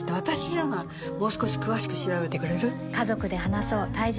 もう少し詳しく調べてくれる？